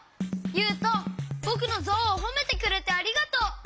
ゆうとぼくのゾウをほめてくれてありがとう！